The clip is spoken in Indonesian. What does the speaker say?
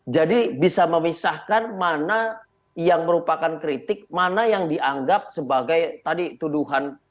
jadi bisa memisahkan mana yang merupakan kritik mana yang dianggap sebagai tadi tuduhan